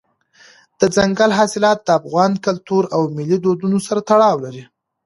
دځنګل حاصلات د افغان کلتور او ملي دودونو سره تړاو لري.